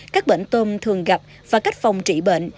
các bệnh tôm thường gặp và cách phòng trị bệnh